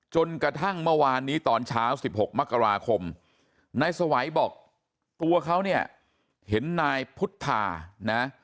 จนกระทั่งเมื่อวานนี้ตอนเช้า๑๖มกราคมนายสวัยบอกตัวเขาเนี่ยเห็นนายพุทธานะ